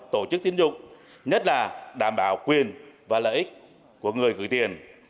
tổ chức tiến dụng nhất là đảm bảo quyền và lợi ích của người gửi tiền